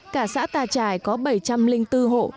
cả xã tà trải có bảy trăm linh bốn hộ